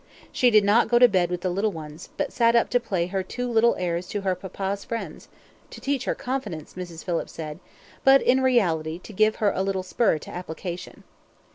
She did not go to bed with the little ones, but sat up to play her two little airs to her papa's friends to teach her confidence, Mrs. Phillips said, but, in reality, to give her a little spur to application.